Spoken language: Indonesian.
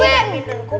udah bang ube